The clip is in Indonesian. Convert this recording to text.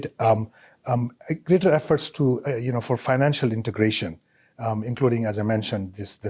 dan akhirnya saya akan mengatakan perjuangan untuk meningkatkan